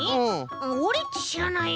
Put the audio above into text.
オレっちしらないよ。